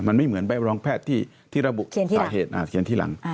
มันไม่เหมือนใบรองแพทย์ที่ระบุสาเหตุเขียนที่หลัง